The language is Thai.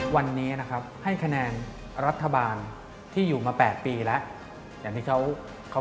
วันนี้ให้คะแนนรัฐบาลที่อยู่มา๘ปีแล้วอย่างที่เขาคิดกัน